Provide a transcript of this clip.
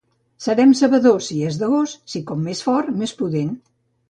Serem sabedors si és de gos si, com més fort, més pudent.